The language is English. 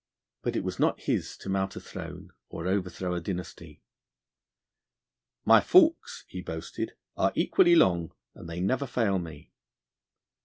But it was not his to mount a throne, or overthrow a dynasty. 'My forks,' he boasted, 'are equally long, and they never fail me.'